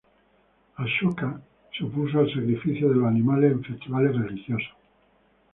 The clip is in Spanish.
Ashoka se opuso al sacrificio de los animales en festivales religiosos.